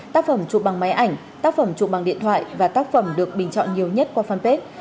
tác phẩm chụp bằng máy ảnh tác phẩm chụp bằng điện thoại và tác phẩm được bình chọn nhiều nhất qua fanpage